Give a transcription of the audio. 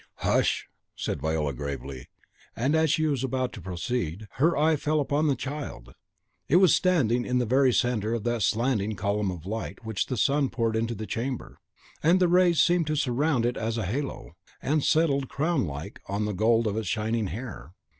"Hush!" said Viola, gravely. And as she was about to proceed, her eye fell upon the child. It was standing in the very centre of that slanting column of light which the sun poured into the chamber; and the rays seemed to surround it as a halo, and settled, crown like, on the gold of its shining hair.